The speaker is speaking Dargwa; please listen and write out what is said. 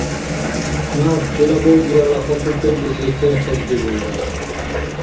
Наб филологияла факультетлизи керхес дигулра.